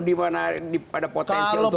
di mana ada potensi untuk ekspor